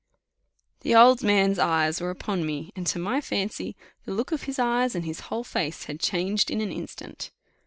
The old man's eyes were upon me; and to my fancy the look of his eyes and his whole face had changed in an instant.